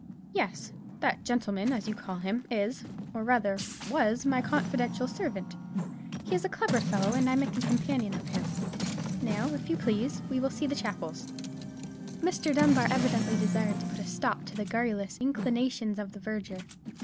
"Yes, that gentleman, as you call him, is, or rather was, my confidential servant. He is a clever fellow, and I make a companion of him. Now, if you please, we will see the chapels." Mr. Dunbar evidently desired to put a stop to the garrulous inclinations of the verger.